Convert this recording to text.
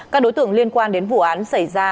các đối tượng liên quan đến vụ án xảy ra